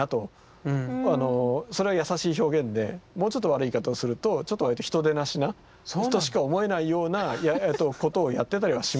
それは優しい表現でもうちょっと悪い言い方をするとちょっと人でなしなとしか思えないようなことをやってたりはします。